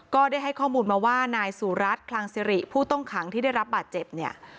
ก็ได้ให้ข้อมูลมาว่านายสุรัตน์คลังสิริผู้ต้องขังที่ได้รับบาดเจ็บเนี่ย